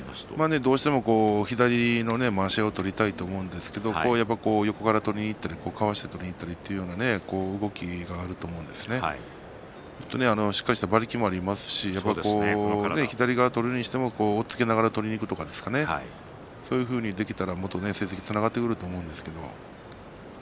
どうしても左のまわしを取りたいと思うんですけれども左から横から取りにいったりしっかりした馬力もありますし左を取るにしても押っつけながら取りにいくとかそういうふうにできたらもっと成績につながってくると思うんですけれども。